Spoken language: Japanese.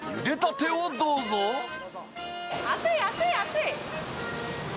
熱い、熱い、熱い。